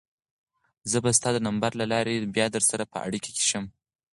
زه به ستا د نمبر له لارې بیا درسره په اړیکه کې شم.